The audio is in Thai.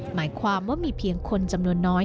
หมายความว่ามีเพียงคนจำนวนน้อย